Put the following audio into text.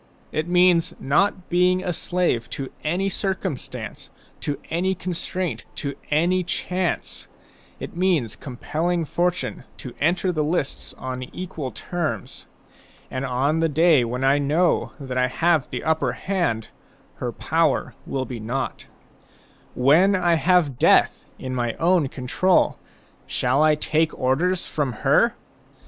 It means not being a slave to any circum stance, to any constraint, to any chance ; it means compelling Fortune to enter the lists on equal terms. And on the day when I know that I have the upper hand, her power will be naught. When I have death in my own control, shall I take orders from her?